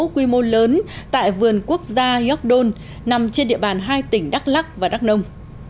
quy mô lớn tại vườn quốc gia york don nằm trên địa bàn hai tỉnh đắk lắc và đắk nông